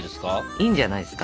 いいんじゃないですか。